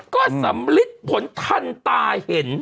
ก็สำลิดผลทันตาเห็น